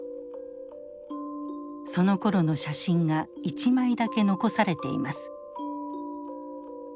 そのころの写真が１枚だけ残されています。